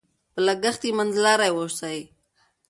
په لګښت کې منځلاري اوسئ.